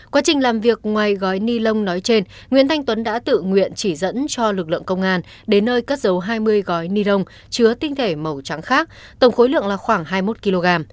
quá trình làm việc ngoài gói ni lông nói trên nguyễn thanh tuấn đã tự nguyện chỉ dẫn cho lực lượng công an đến nơi cất dấu hai mươi gói ni lông chứa tinh thể màu trắng khác tổng khối lượng là khoảng hai mươi một kg